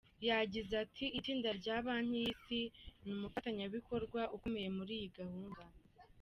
Yagizeati“Itsinda rya Banki y’Isi ni umufatanyabikorwa ukomeye muri iyi gahunda.